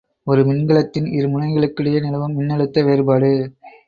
ஒரு மின்கலத்தின் இருமுனைகளுக்கிடையே நிலவும் மின்னழுத்த வேறுபாடு.